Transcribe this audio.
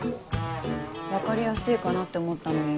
分かりやすいかなって思ったのに。